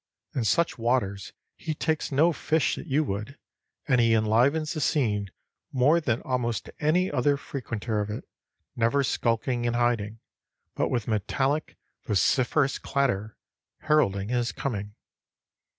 In such waters he takes no fish that you would, and he enlivens the scene more than almost any other frequenter of it, never skulking and hiding, but with metallic, vociferous clatter heralding his coming.